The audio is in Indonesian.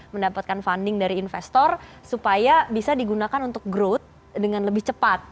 mendapatkan funding dari investor supaya bisa digunakan untuk growth dengan lebih cepat